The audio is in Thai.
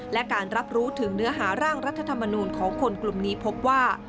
และการรับรู้ถึงเนื้อหาร่างรัฐธรรมนูลของคนกลุ่มนี้พบว่า